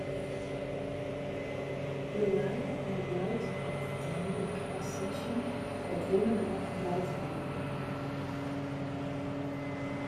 Bruriah made light of the Talmudic assertion that women are "light-minded".